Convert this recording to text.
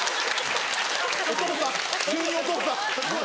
お父さん急にお父さん。